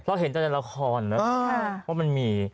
เราเห็นในละครแล้วว่ามันมี